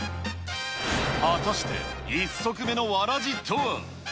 果たして一足目のわらじとは。